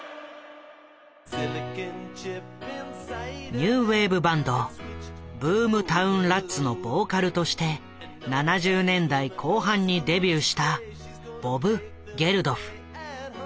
ニューウェーブバンドブームタウン・ラッツのボーカルとして７０年代後半にデビューしたボブ・ゲルドフ。